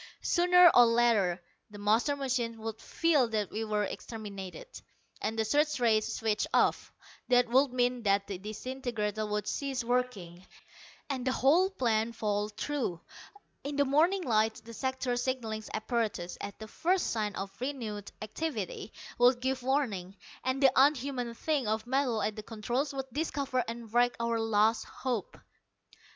Sooner or later the master machine would feel that we were exterminated, and the search rays switched off. That would mean that the disintegrator would cease working, and the whole plan fall through. In the morning light, the sector signalling apparatus, at the first sign of renewed activity, would give warning, and the unhuman thing of metal at the controls would discover and wreck our last hope.